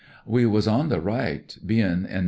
We was on the right, bein' in No.